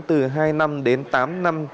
từ hai năm đến tám năm